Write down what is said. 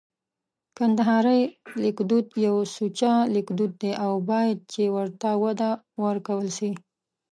کندهارۍ لیکدود یو سوچه لیکدود دی او باید چي ورته وده ورکول سي